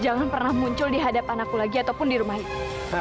jangan pernah muncul di hadapan aku lagi ataupun di rumah ini